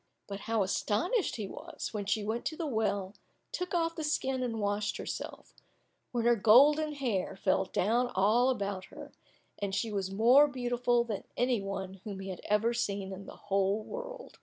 But how astonished he was, when she went to the well, took off the skin and washed herself, when her golden hair fell down all about her, and she was more beautiful than any one whom he had ever seen in the whole world.